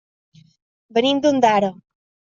Venim d'Ondara.